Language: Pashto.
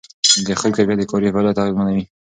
د خوب کیفیت د کاري فعالیت اغېزمنوي.